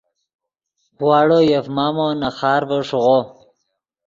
واڑو یف مامو نے خارڤے ݰیغو